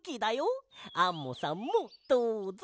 アンモさんもどうぞ。